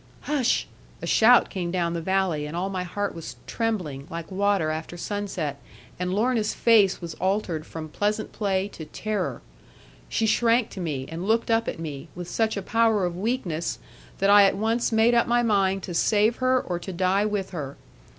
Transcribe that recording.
'Hush!' A shout came down the valley, and all my heart was trembling, like water after sunset, and Lorna's face was altered from pleasant play to terror. She shrank to me, and looked up at me, with such a power of weakness, that I at once made up my mind to save her or to die with her.